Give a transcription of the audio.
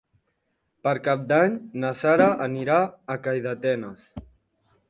Per Cap d'Any na Sara anirà a Calldetenes.